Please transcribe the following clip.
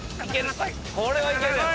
これはいけるやろ。